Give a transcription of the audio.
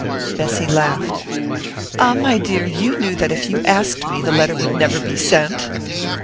Bessy laughed. "Ah, my dear, you knew that if you asked me the letter would never be sent!"